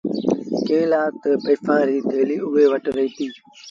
ڪݩهݩ لآ تا پئيسآݩ ريٚ ٿيليٚ اُئي وٽ رهيتي۔